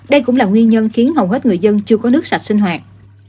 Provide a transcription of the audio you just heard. đây cũng là nguyên nhân khiến hầu hết người dân chưa có nước sạch sinh hoạt